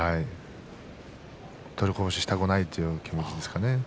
取りこぼししたくないという気持ちですかね。